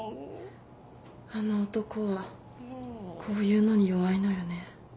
あの男はこういうのに弱いのよね。